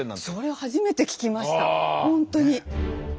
それは初めて聞きました本当に。